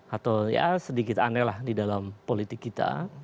atau ya sedikit aneh lah di dalam politik kita